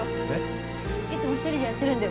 いつも１人でやってるんで。